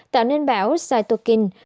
tạo nên bão cytokine